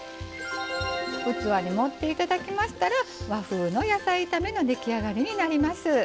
器に盛っていただきましたら和風の野菜炒めの出来上がりになります。